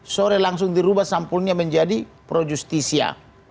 sore langsung dirubah sampulnya menjadi projustisia